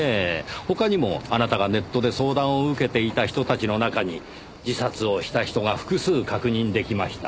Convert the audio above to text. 他にもあなたがネットで相談を受けていた人たちの中に自殺をした人が複数確認出来ました。